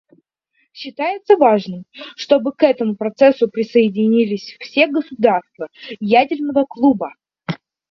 Считаем важным, чтобы к этому процессу присоединились все государства «ядерного клуба».